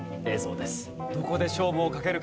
どこで勝負をかけるか？